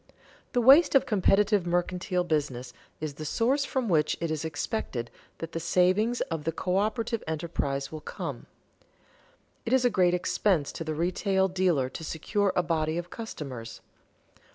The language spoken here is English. _The waste of competitive mercantile business is the source from which it is expected that the savings of the coöperative enterprise will come._ It is a great expense to the retail dealer to secure a body of customers.